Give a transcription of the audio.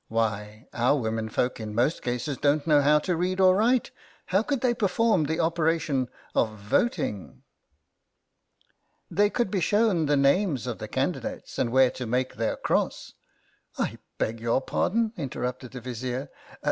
Why, our womenfolk in most cases don't know how to read or write. How could they perform the operation of voting ?"" They could be shown the names of the candidates and where to make their cross." " I beg your pardon ?" interrupted the Vizier.